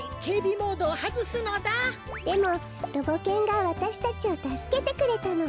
でもロボ犬がわたしたちをたすけてくれたの。